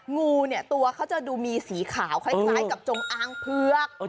งูตัวเขาจะดูมีสีขาวคล้ายกับจงอ้างเพื้อก